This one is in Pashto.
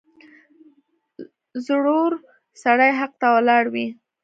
• زړور سړی حق ته ولاړ وي.